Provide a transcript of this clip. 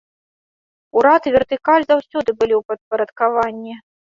Урад і вертыкаль заўсёды былі ў падпарадкаванні.